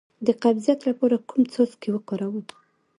د قبضیت لپاره کوم څاڅکي وکاروم؟